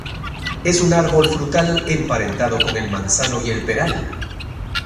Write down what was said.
Es un árbol frutal emparentado con el manzano y el peral.